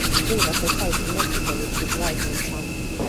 Jindrak resides in Mexico with his wife and son.